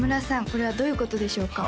これはどういうことでしょうか？